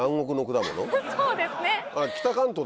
そうですね。